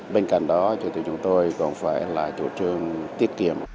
bên cạnh đó thì chúng tôi còn phải là chủ trương tiết kiệm